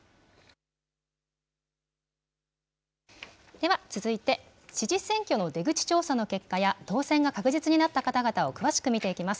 では続いて、知事選挙の出口調査の結果や、当選が確実になった方々を詳しく見ていきます。